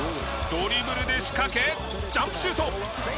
ドリブルで仕掛けジャンプシュート。